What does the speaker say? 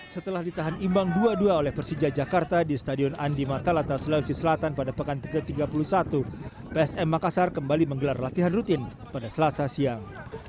setelah ditahan imbang dua dua oleh persija jakarta di stadion andi matalata sulawesi selatan pada pekan ke tiga puluh satu psm makassar kembali menggelar latihan rutin pada selasa siang